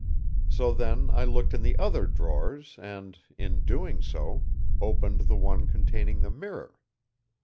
So then I looked in the other drawers and, in doing so, opened the one containing the mirror.